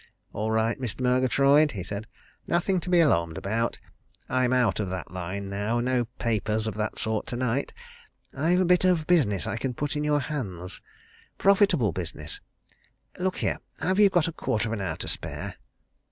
"All right, Mr. Murgatroyd," he said. "Nothing to be alarmed about I'm out of that line, now no papers of that sort tonight. I've a bit of business I can put in your hands profitable business. Look here! have you got a quarter of an hour to spare?"